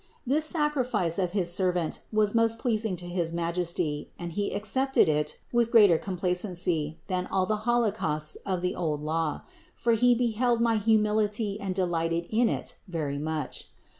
This sacrifice of his servant was most pleasing to his Majesty and He accepted it with greater complacency than all the holocausts of the old Law; for He beheld my humility and delighted in it very much.